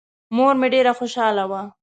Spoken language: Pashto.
مور مې ډېره خوشحاله وه.